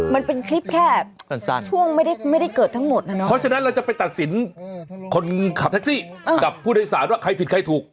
มันเป็นคลิปแค่ช่วงไม่ได้เกิดทั้งหมดนะเนาะเพราะฉะนั้นเราจะไปตัดสินคนขับแท็กซี่กับผู้โดยสารว่าใครผิดใครถูก